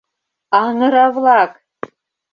Аҥыра-влак!